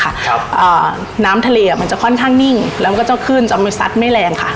ครับอ่าน้ำทะเลอ่ะมันจะค่อนข้างนิ่งแล้วมันก็จะขึ้นจนมันซัดไม่แรงค่ะ